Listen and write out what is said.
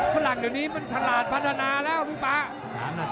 ฝรั่งเดี๋ยวนี้มันฉลาดพัฒนาแล้วพี่ป๊า